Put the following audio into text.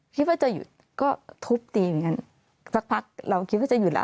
คิดว่าจะหยุดก็ทุบตีแบบนี้สักพักเราคิดว่าจะหยุดะ